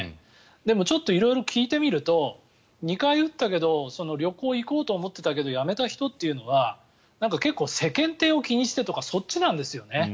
でもちょっと色々聞いてみると２回打ったけど旅行行こうと思ってたけどやめたという人は結構、世間体を気にしてとかそっちなんですよね。